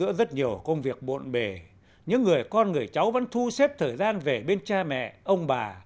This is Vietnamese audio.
giữa rất nhiều công việc bộn bề những người con người cháu vẫn thu xếp thời gian về bên cha mẹ ông bà